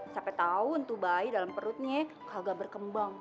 siapa tau entuh bayi dalam perutnya kagak berkembang